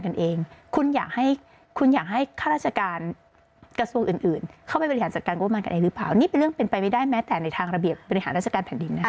แต่ความหมายที่คุณเกดลัดพูดใช่อย่างที่คุณชอบเข้าใจไหมคะ